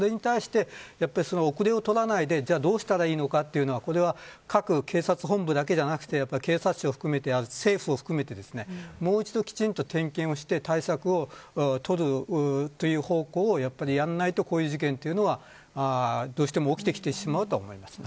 それに対して、後れを取らないでどうしたらいいのかというのは各警察本部だけでなく警察署を含め政府も含めてもう一度、点検をして対策を取るという方向をやんないとこういう事件というのはどうしても起きてきてしまうと思います。